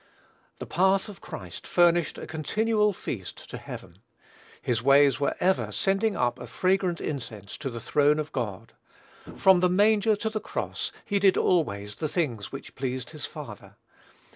The path of Christ furnished a continual feast to heaven. His ways were ever sending up a fragrant incense to the throne of God. From the manger to the cross, he did always the things which pleased his Father.